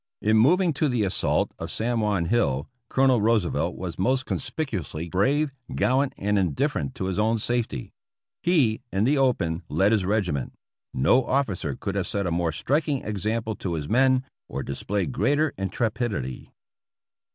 In moving to the assault of San Juan 304 APPENDIX E Hill, Colonel Roosevelt was most conspicuously brave, gallant and indifferent to his own safety. He, in the open, led his regiment ; no officer could have set a more striking example to his men or displayed greater intre pidity.